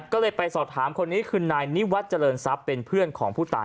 ก็เลยไปสอบถามคนนี้คือนายนิวัตรเจริญทรัพย์เป็นเพื่อนของผู้ตาย